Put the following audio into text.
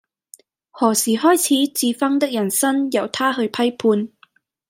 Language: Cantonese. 何時開始智勳的人生由他去批判